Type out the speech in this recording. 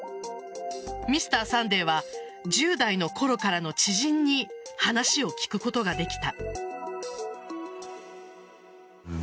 「Ｍｒ．サンデー」は１０代のころからの知人に話を聞くことができた。